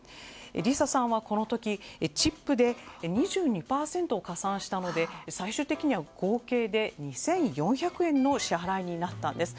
リサさんはこの時チップで２２％を加算したので最終的には合計で２４００円の支払いになったんです。